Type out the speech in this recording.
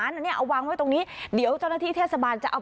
อันนี้ก็เป็นสิ่งที่เราไม่ได้รู้สึกว่ามันเป็นสิ่งที่เราไม่ได้รู้สึกว่า